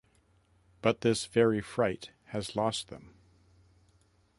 But this very fright has lost them.